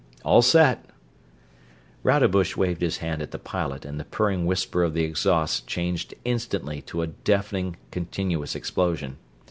All set." Rodebush waved his hand at the pilot and the purring whisper of the exhausts changed instantly to a deafening, continuous explosion.